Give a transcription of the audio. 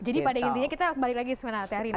jadi pada intinya kita kembali lagi semuanya teh rina